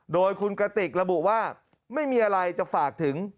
โดยคุณกระติกระบุว่าไม่มีอะไรจะฝากถึง